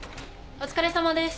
お疲れさまです。